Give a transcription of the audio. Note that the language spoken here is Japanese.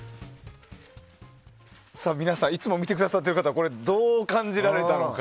さあ、皆さんいつも見てくださってる方これをどう感じられたのか。